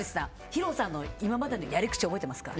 ヒロさんの今までのやり口覚えてますか？